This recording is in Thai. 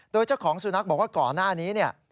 โดยเจ้าของสุนัขบอกว่าก่อนหน้านี้เนี่ย